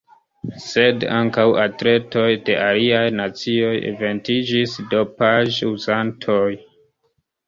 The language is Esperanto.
Sed ankaŭ atletoj de aliaj nacioj evidentiĝis dopaĵ-uzantoj.